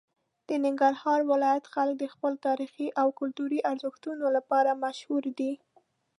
د ننګرهار ولایت خلک د خپلو تاریخي او کلتوري ارزښتونو لپاره مشهور دي.